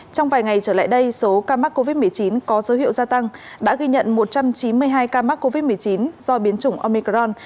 trong vài ngày trở lại đây số ca mắc covid một mươi chín có dấu hiệu gia tăng đã ghi nhận một trăm chín mươi hai ca mắc covid một mươi chín do biến chủng omicron